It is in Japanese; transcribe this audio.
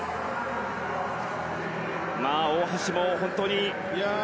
大橋も本当に。